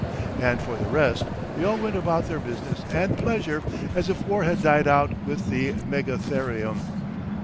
And for the rest, they all went about their business and pleasure as if war had died out with the megatherium....